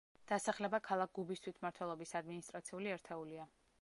დასახლება ქალაქ გუბის თვითმმართველობის ადმინისტრაციული ერთეულია.